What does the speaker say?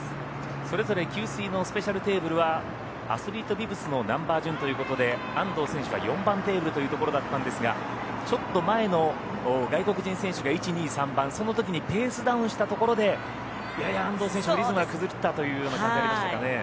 それぞれ給水のスペシャルテーブルはアスリートビブスのナンバー順ということで安藤選手は４番テーブルというところだったんですがちょっと前の外国人選手が１、２、３番その時にペースダウンしたところでやや安藤選手リズムが崩れたという感じに。